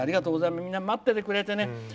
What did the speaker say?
みんな待っててくれてね。